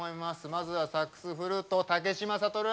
まずはサックスフルート武嶋聡。